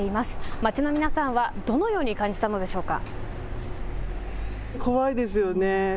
街の皆さんはどのように感じたのでしょうか。